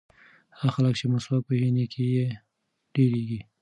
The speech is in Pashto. هغه خلک چې مسواک وهي نیکۍ یې ډېرېږي.